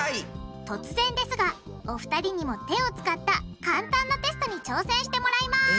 突然ですがお二人にも手を使った簡単なテストに挑戦してもらいます！